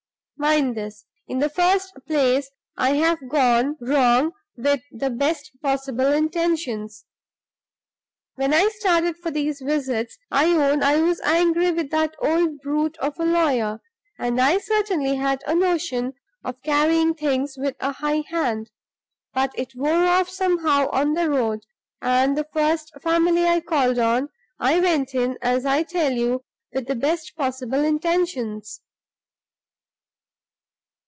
Mind this, in the first place, I've gone wrong with the best possible intentions. When I started for these visits, I own I was angry with that old brute of a lawyer, and I certainly had a notion of carrying things with a high hand. But it wore off somehow on the road; and the first family I called on, I went in, as I tell you, with the best possible intentions.